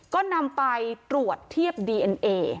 ก็นำไปตรวจเทียบดีเอ็นเอ